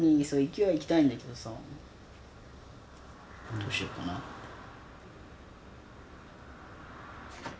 どうしよっかなって。